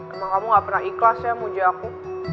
emang kamu gak pernah ikhlas ya muja aku